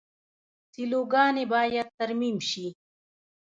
سیلوګانې باید ترمیم شي.